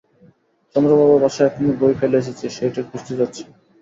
চন্দ্রবাবুর বাসায় একখানা বই ফেলে এসেছি, সেইটে খুঁজতে যাচ্ছি।